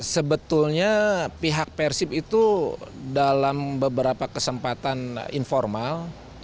sebetulnya pihak persib itu dalam beberapa kesempatan informal